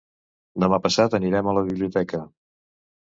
Demà passat anirem a la biblioteca.